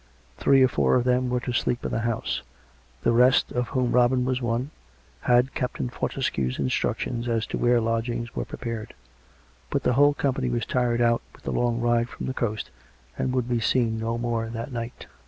Three or four of them were to sleep in the house; the rest, of whom Robin was one, had Captain Fortescue's instructions as to where lodgings were prepared. But the whole company was tired out with the long ride from the coast, and would be seen no more that night.